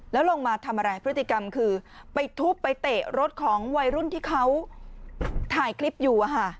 แล้วลงมาทำอะไรพฤติกรรมคือไปทุบไปเตะรถของวัยรุ่นที่เขาถ่ายคลิปอยู่